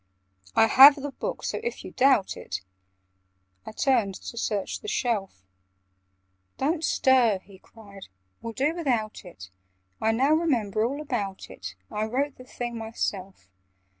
"I have the book; so if you doubt it—" I turned to search the shelf. "Don't stir!" he cried. "We'll do without it: I now remember all about it; I wrote the thing myself.